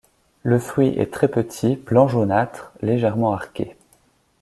Le fruit est très petit, blanc jaunâtre, légèrement arqué.